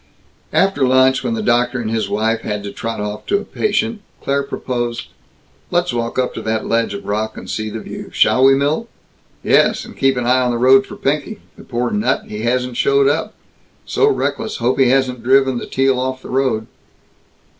After lunch, when the doctor and his wife had to trot off to a patient, Claire proposed, "Let's walk up to that ledge of rock and see the view, shall we, Milt?" "Yes! And keep an eye on the road for Pinky. The poor nut, he hasn't showed up. So reckless; hope he hasn't driven the Teal off the road."